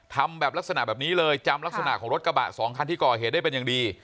ทำแบบลักษณะแบบนี้เลยจำลักษณะของรถกระบะสองคันที่ก่อเหตุได้เป็นอย่างดี